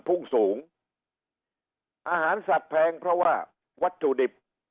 พุ่งสูงอาหารสัตว์แพงเพราะว่าวัตถุดิบ